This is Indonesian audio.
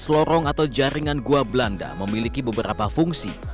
lima belas lorong atau jaringan gua belanda memiliki beberapa fungsi